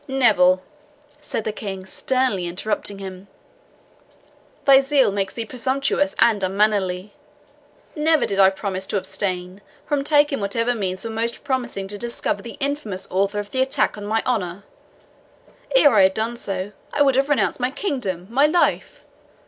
"Neville," said the King, sternly interrupting him, "thy zeal makes thee presumptuous and unmannerly. Never did I promise to abstain from taking whatever means were most promising to discover the infamous author of the attack on my honour. Ere I had done so, I would have renounced my kingdom, my life.